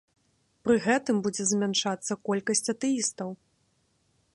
Пры гэтым будзе змяншацца колькасць атэістаў.